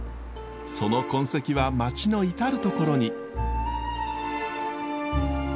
その痕跡は街の至る所に。